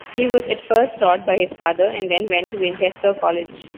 He was at first taught by his father and then went to Winchester College.